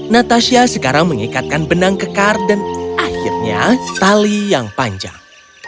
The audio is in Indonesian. natasha sekarang mengikatkan benang kekar dan akhirnya tali yang panjang